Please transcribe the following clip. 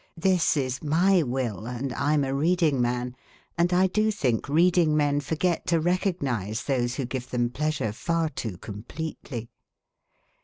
This is my Will, and I'm a reading man, and I do think reading men forget to recognize those who give them pleasure far too completely.